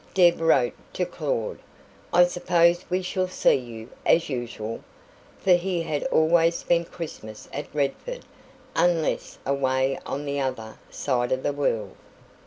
Deb wrote to Claud: "I suppose we shall see you, as usual?" for he had always spent Christmas at Redford unless away on the other side of the world.